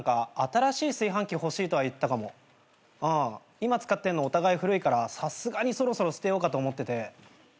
今使ってんのお互い古いからさすがにそろそろ捨てようかと思ってて。